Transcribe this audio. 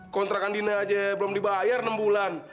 kontrakan dina aja belum dibayar enam bulan